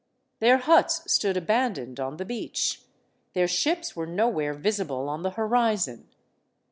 Their huts stood abandoned on the beach, their ships were nowhere visible on the horizon.